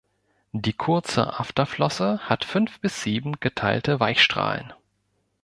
Die kurze Afterflosse hat fünf bis sieben geteilte Weichstrahlen.